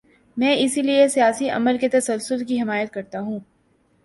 میں اسی لیے سیاسی عمل کے تسلسل کی حمایت کرتا ہوں۔